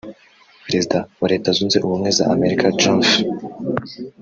Perezida wa Leta Zunze Ubumwe za Amerika John F